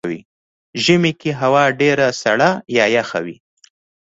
ژمی کې هوا ډیره سړه وي .